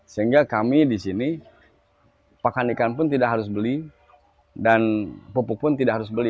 sehingga kami di sini pakan ikan pun tidak harus beli dan pupuk pun tidak harus beli